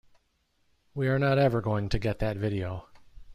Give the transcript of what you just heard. We are not ever going to get that video.